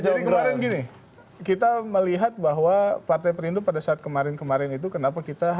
jadi kemarin gini kita melihat bahwa partai perindro pada saat kemarin kemarin itu kenapa kita